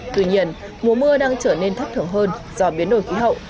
tuy nhiên mùa mưa đang trở nên thất thường hơn do biến đổi khí hậu